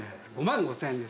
５万５０００円。